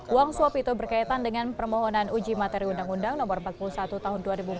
uang suap itu berkaitan dengan permohonan uji materi undang undang no empat puluh satu tahun dua ribu empat belas